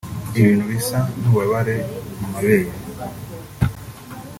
Ibintu bisa n’ububabare mu mabere